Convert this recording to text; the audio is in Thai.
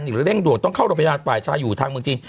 หรือเร่งด่วนต้องเข้าโรงพยาบาลฝ่ายชายอยู่ทางเมืองจีน